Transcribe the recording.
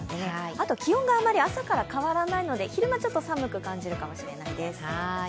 あと気温が朝から変わらないので昼間、ちょっと寒く感じるかもしれないです。